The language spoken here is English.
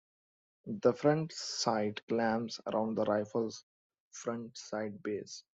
The front sight clamps around the rifle's front sight base.